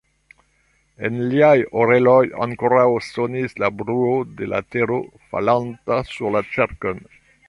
En liaj oreloj ankoraŭ sonis la bruo de la tero falanta sur la ĉerkon.